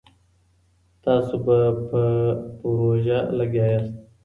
تاسي به په پروژه لګيا ياست.